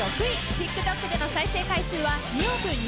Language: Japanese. ＴｉｋＴｏｋでの再生回数は］